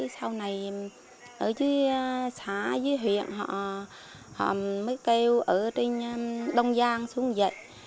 sau này ở dưới xã dưới huyện họ mới kêu ở trên đông giang xuống dậy